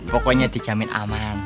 pokoknya dicamin aman